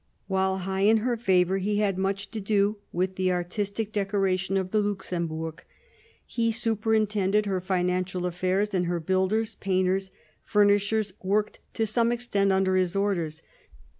While high in her favour he had much to do with the artistic decoration of the Luxembourg. He superintended her financial aflfairs, and her builders, painters, furnishers worked to some extent under his orders.